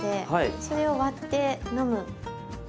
それを割って飲む。